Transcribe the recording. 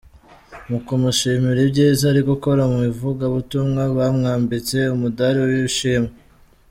Mu kumushimira ibyiza ari gukora mu ivugabutumwa, bamwambitse umudari w’ishimwe.